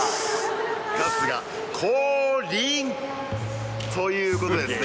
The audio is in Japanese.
春日降臨ということでですね